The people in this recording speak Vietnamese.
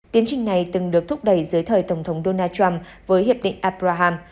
tiến trình này từng được thúc đẩy dưới thời tổng thống donald trump với hiệp định apraham